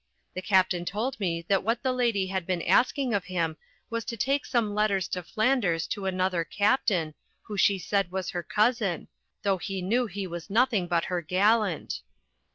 The captain told me that what the lady had been asking of him was to take some letters to Flanders to another captain, who she said was her cousin, though he knew he was nothing but her gallant.